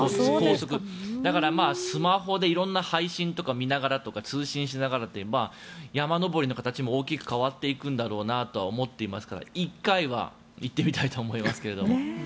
だから、スマホで色んな配信とか見ながらとか通信しながらで山登りの形も大きく変わっていくんだろうなとは思っていますから１回は行ってみたいと思いますけれども。